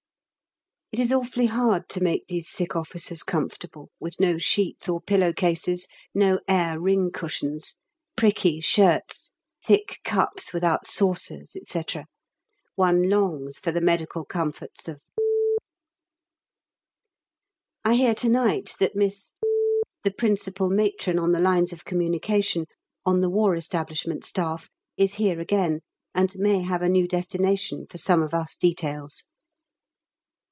It is awfully hard to make these sick officers comfortable, with no sheets or pillow cases, no air ring cushions, pricky shirts, thick cups without saucers, &c. One longs for the medical comforts of I hear to night that Miss , the Principal Matron on the Lines of Communication (on the War Establishment Staff) is here again, and may have a new destination for some of us details.